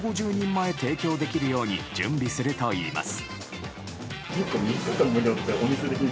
前提供できるように準備するといいます。